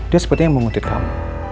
dia sepertinya mengutip kamu